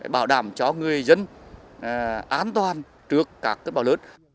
bảo đảm cho người dân an toàn trước các tuyến bão lụt